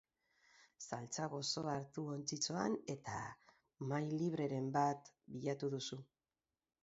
Saltsa gozoa hartu ontzitxoan eta mahai libreren bat bilatu duzu.